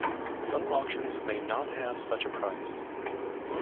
Some auctions may not have such a price.